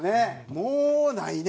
もうないね。